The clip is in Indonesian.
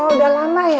udah lama ya